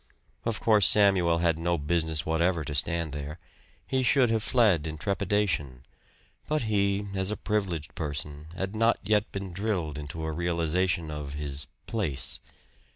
Of course Samuel had no business whatever to stand there. He should have fled in trepidation. But he, as a privileged person, had not yet been drilled into a realization of his "place."